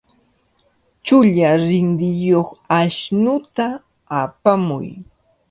Chulla rinriyuq ashnuta apamuy.